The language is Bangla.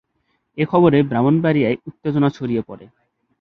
এ খবরে ব্রাহ্মণবাড়িয়ায় উত্তেজনা ছড়িয়ে পড়ে।